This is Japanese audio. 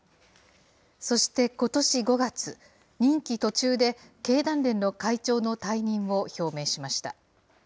そしてことし５月、任期途中で経団連の会長の退任を表明しました。